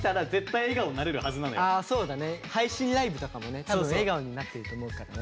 配信ライブとかもね多分笑顔になってると思うからね。